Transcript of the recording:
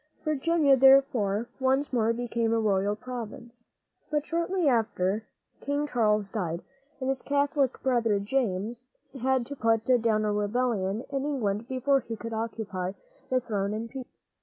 Virginia, therefore, once more became a royal province. But shortly after, King Charles died, and his Catholic brother, James, had to put down a rebellion in England before he could occupy the throne in peace.